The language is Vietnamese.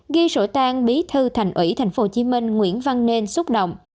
ghi sổ tang bí thư thành ủy tp hcm nguyễn văn nên xúc động